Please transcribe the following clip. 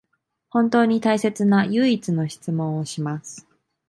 本当に大切な唯一の質問をします